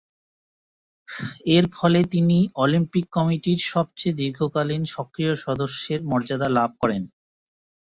এরফলে তিনি অলিম্পিক কমিটির সবচেয়ে দীর্ঘকালীন সক্রিয় সদস্যের মর্যাদা লাভ করেন।